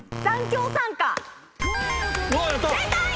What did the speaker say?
正解！